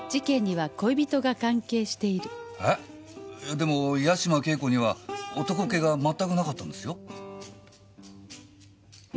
でも八島景子には男っ気がまったくなかったんですよ？